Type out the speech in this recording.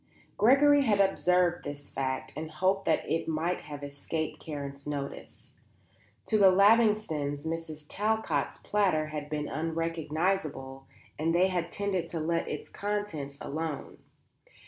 Gregory had observed this fact and had hoped that it might have escaped Karen's notice. To the Lavingtons Mrs. Talcott's platter had been unrecognizable and they had tended to let its contents alone.